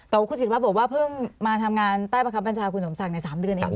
แต่ว่าคุณศิวะบอกว่าเพิ่งมาทำงานใต้ประคับบัญชาคุณสมศักดิ์ใน๓เดือนเอง